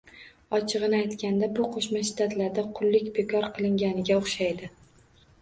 Ochig'ini aytganda, bu Qo'shma Shtatlarda qullik bekor qilinganiga o'xshaydi